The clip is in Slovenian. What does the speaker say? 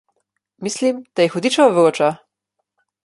Mislim, da je hudičevo vroča.